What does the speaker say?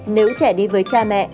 nếu trẻ đi với cha mẹ